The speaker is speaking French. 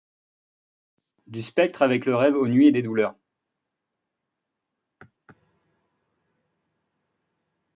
Du spectre avec le rêve, ô nuit, et des douleurs